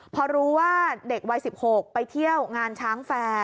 พอรู้ว่าเด็กวัย๑๖ไปเที่ยวงานช้างแฟร์